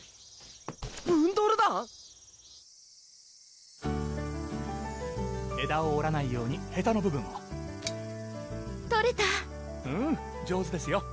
ブンドル団⁉枝をおらないようにへたの部分をとれたうん上手ですよ